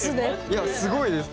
いやすごいです。